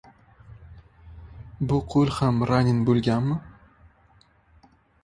Bu qo‘l ham ranen bo‘lganmi?